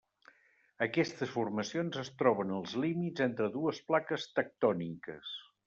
Aquestes formacions es troben als límits entre dues plaques tectòniques.